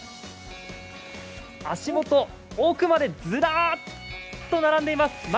足元、奥までずらっと並んでいます